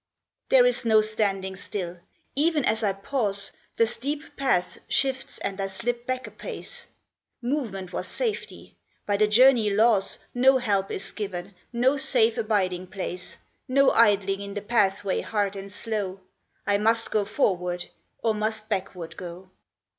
There is no standing still ! Even as I pause, The steep path shifts and I slip back apace. FORWARD. 109 Movement was safety ; by the journey laws No help is given, no safe abiding place, No idling in the pathway hard and slow : I must go forward, or must backward go